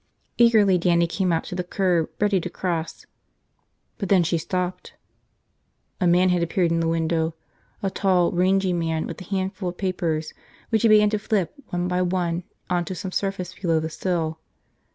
Eagerly Dannie came out to the curb, ready to cross. But then she stopped. A man had appeared in the window, a tall rangy man with a handful of papers which he began to flip one by one onto some surface below the sill.